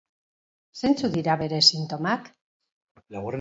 Zeintzuk dira bere sintomak?